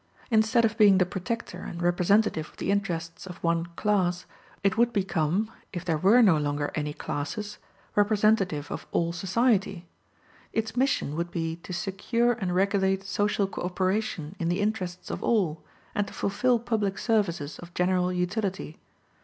Instead of being the protector and representative of the interests of one class, it would become, if there were no longer any classes, representative of all society. Its mission would be to secure and regulate social co operation in the interests of all, and to fulfil public services of general utility.